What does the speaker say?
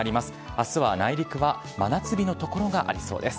あすは内陸は真夏日の所がありそうです。